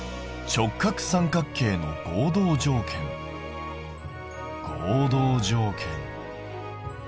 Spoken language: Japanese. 直角三角形の合同条件ですよね。